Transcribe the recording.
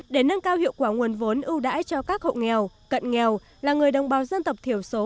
để nâng cao hiệu quả nguồn vốn ưu đãi cho các hộ nghèo cận nghèo là người đồng bào dân tộc thiểu số